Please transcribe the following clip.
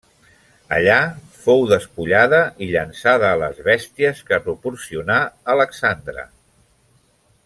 Allà fou despullada i llançada a les bèsties que proporcionà Alexandre.